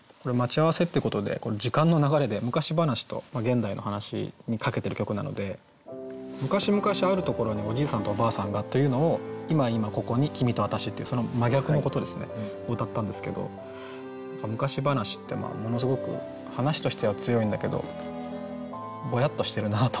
昔話と現代の話にかけてる曲なので「昔昔あるところにおじいさんとおばあさんが」というのを「今今ここに君とあたし」っていうその真逆のことを歌ったんですけど何か昔話ってものすごく話としては強いんだけどぼやっとしてるなと思って。